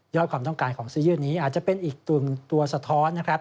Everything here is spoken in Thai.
ยอดความต้องการของสียืดนี้อาจจะเป็นอีกตัวสะท้อน